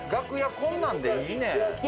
こんなんでいいねん。